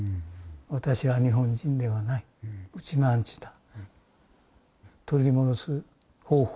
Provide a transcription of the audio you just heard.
私は日本人ではないウチナーンチュだ」。